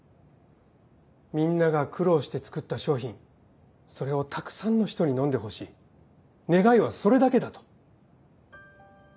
「みんなが苦労して作った商品それをたくさんの人に飲んでほしい願いはそれだけだ」と。